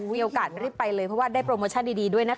มีโอกาสรีบไปเลยเพราะว่าได้โปรโมชั่นดีด้วยนะคะ